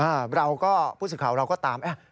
อ่าเราก็ผู้สิทธิ์ข่าวเราก็ตาม